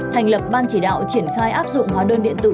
thành lập ban chỉ đạo triển khai áp dụng hóa đơn điện tử